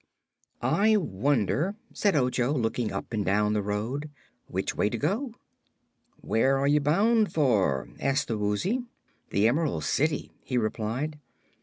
"I wonder," said Ojo, looking up and down the road, "which way to go." "Where are you bound for?" asked the Woozy. "The Emerald City," he replied.